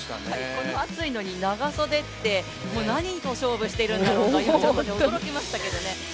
この暑いのに長袖って、何を勝負しているのだろうかと驚きましたけどね。